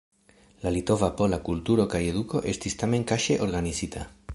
La Litova-Pola kulturo kaj eduko estis tamen kaŝe organizita.